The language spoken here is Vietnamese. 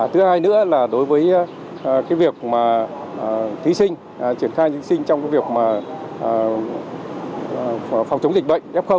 thứ hai nữa là đối với cái việc mà thí sinh triển khai thí sinh trong cái việc mà phòng chống dịch bệnh f